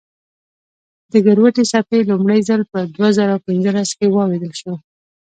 د ګرویتي څپې لومړی ځل په دوه زره پنځلس کې واورېدل شوې.